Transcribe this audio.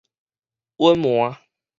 隱瞞